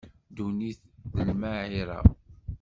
Ddunit d lmaɛira.